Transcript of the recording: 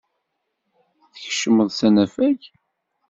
Tkeccmeḍ s anafag.